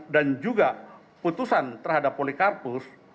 dan juga putusan terhadap polikarpus